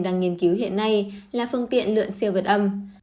đang nghiên cứu hiện nay là phương tiện lượn siêu vật âm